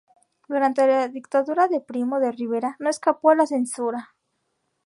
Durante la Dictadura de Primo de Rivera no escapó a la censura.